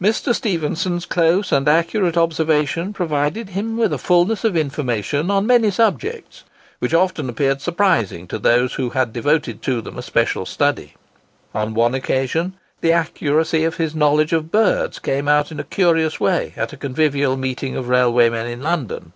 Mr. Stephenson's close and accurate observation provided him with a fulness of information on many subjects, which often appeared surprising to those who had devoted to them a special study. On one occasion the accuracy of his knowledge of birds came out in a curious way at a convivial meeting of railway men in London.